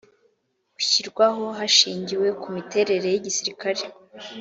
ushyirwaho hashingiwe ku miterere y igisirikare